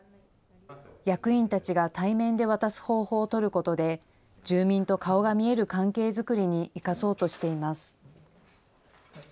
役員たちが対面で渡す方法を取ることで、住民と顔が見える関係作りに生かそうとしています。